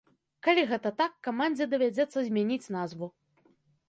Калі гэта так, камандзе давядзецца змяніць назву.